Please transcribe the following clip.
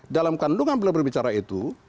dalam kandungan bila berbicara itu